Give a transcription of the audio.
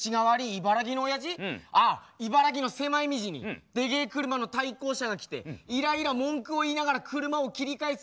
あ茨城の狭い道にでけえ車の対向車が来てイライラ文句を言いながら車を切り返す